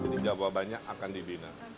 di jawa banyak akan dibina